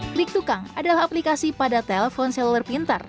klik tukang adalah aplikasi pada telpon seluler pintar